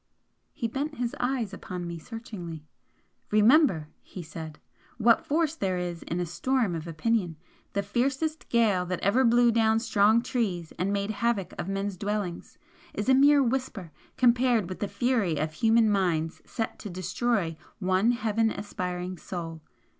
He bent his eyes upon me searchingly. "Remember," he said "what force there is in a storm of opinion! The fiercest gale that ever blew down strong trees and made havoc of men's dwellings is a mere whisper compared with the fury of human minds set to destroy one heaven aspiring soul!